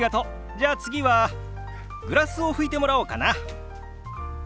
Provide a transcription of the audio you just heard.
じゃあ次はグラスを拭いてもらおうかな。